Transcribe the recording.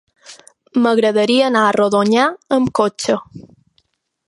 M'agradaria anar a Rodonyà amb cotxe.